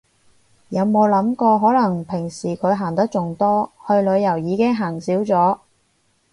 有冇諗過可能平時佢行得仲多，去旅行已經行少咗